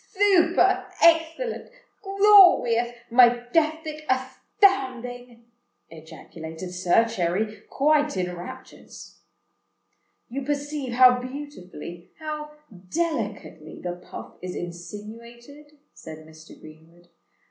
"Thuper ekthellent—glowiouth—majethtic—athtounding!" ejaculated Sir Cherry, quite in raptures. "You perceive how beautifully—how delicately the puff is insinuated," said Mr. Greenwood.